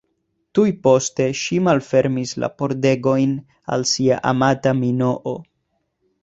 Tuj poste, ŝi malfermis la pordegojn al sia amata Minoo.